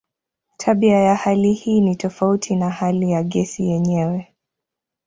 Tabia ya hali hii ni tofauti na hali ya gesi yenyewe.